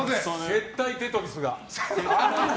接待「テトリス」が。